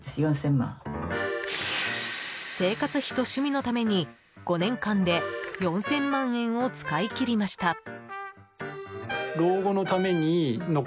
生活費と趣味のために５年間で４０００万円を使い切りました。